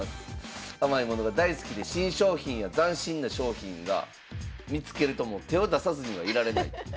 甘い物が大好きで新商品や斬新な商品が見つけるともう手を出さずにはいられないと。